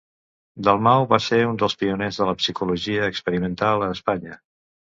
Dalmau va ser un dels pioners de la psicologia experimental a Espanya.